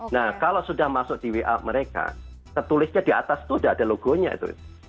nah kalau sudah masuk di wa mereka tertulisnya di atas itu sudah ada logonya itu